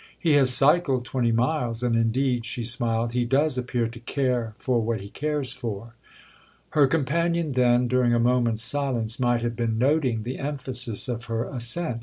"He has cycled twenty miles. And indeed," she smiled, "he does appear to care for what he cares for!" Her companion then, during a moment's silence, might have been noting the emphasis of her assent.